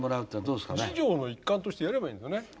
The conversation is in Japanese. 授業の一環としてやればいいんですよね。